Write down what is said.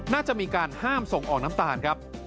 น่าจะมีการห้ามส่งออกน้ำตาลครับ